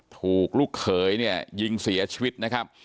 ลูกเขยเนี่ยยิงเสียชีวิตนะครับ